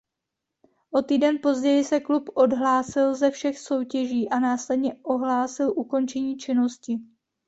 O týden později se klub odhlásil ze všech soutěží a následně ohlásil ukončení činnosti.